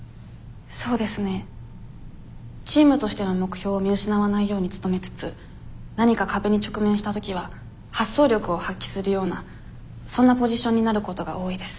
そうですねチームとしての目標を見失わないように努めつつ何か壁に直面した時は発想力を発揮するようなそんなポジションになることが多いです。